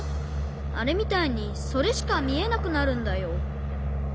あれみたいにそれしかみえなくなるんだよ。